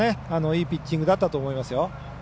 いいピッチングだったと思います。